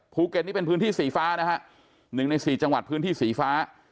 ภูเก็ตนี่เป็นพื้นที่สีฟ้านะฮะหนึ่งในสี่จังหวัดพื้นที่สีฟ้า